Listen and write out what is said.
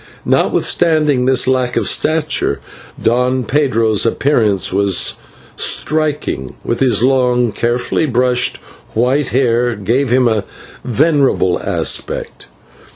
Notwithstanding this lack of stature, Don Pedro's appearance was striking, while his long, carefully brushed white hair gave him a venerable aspect.